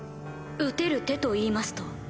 打てる手といいますと？